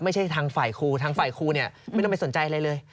ไม่ใช่ทางฝ่ายครูทางฝ่ายครูเนี่ยไม่ต้องไปสนใจอะไรเลย